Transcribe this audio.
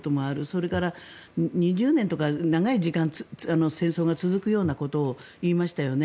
それから２０年とか長い時間戦争が続くようなことを言いましたよね。